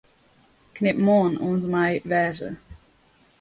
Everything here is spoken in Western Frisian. Knip 'Moarn' oant en mei 'wêze'.